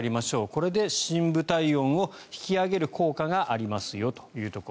これで深部体温を引き上げる効果がありますよと。